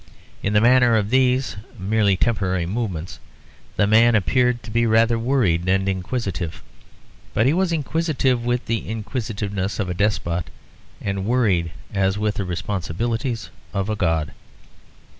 In the matter of these merely temporary movements, the man appeared to be rather worried and inquisitive, but he was inquisitive with the inquisitiveness of a despot and worried as with the responsibilities of a god.